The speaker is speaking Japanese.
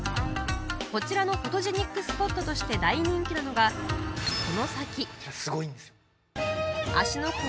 こちらのフォトジェニックスポットとして大人気なのがこの先芦ノ